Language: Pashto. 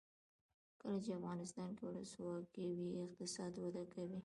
کله چې افغانستان کې ولسواکي وي اقتصاد وده کوي.